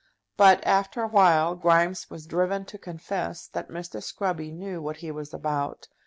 But, after a while, Grimes was driven to confess that Mr. Scruby knew what he was about.